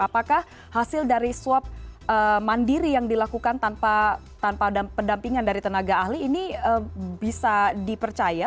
apakah hasil dari swab mandiri yang dilakukan tanpa pendampingan dari tenaga ahli ini bisa dipercaya